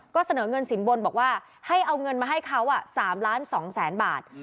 ก็เสนอเงินสินบนบอกว่าให้เอาเงินมาให้เขา๓ล้าน๒แสนบาท